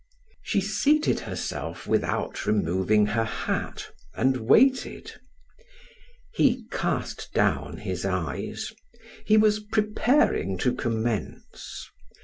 She seated herself without removing her hat, and waited. He cast down his eyes; he was preparing to commence.